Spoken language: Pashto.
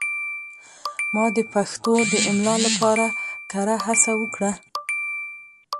ما د پښتو د املا لپاره کره هڅه وکړه.